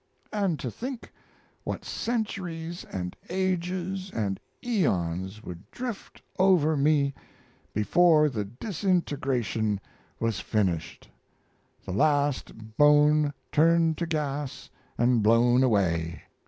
And to think what centuries and ages and aeons would drift over me before the disintegration was finished, the last bone turned to gas and blown away!